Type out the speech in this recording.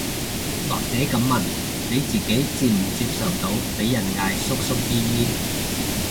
或者噉問，你自己接唔接受到被人嗌叔叔姨姨